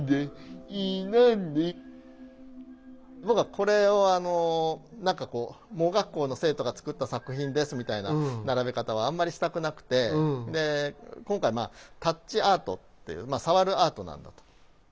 僕はこれを何かこう盲学校の生徒が作った作品ですみたいな並べ方はあんまりしたくなくてで今回タッチアートっていうさわるアートなんだと。